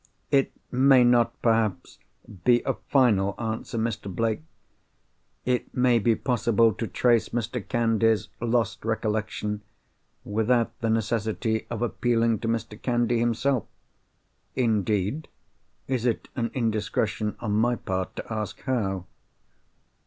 "It may not, perhaps, be a final answer, Mr. Blake. It may be possible to trace Mr. Candy's lost recollection, without the necessity of appealing to Mr. Candy himself." "Indeed? Is it an indiscretion, on my part, to ask how?"